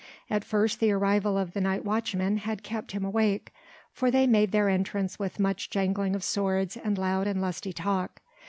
At first the arrival of the night watchmen had kept him awake: for they made their entrance with much jangling of swords and loud and lusty talk.